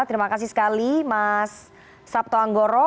terima kasih sekali mas sabto anggoro